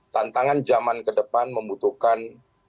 tantangan zaman ke depan membutuhkan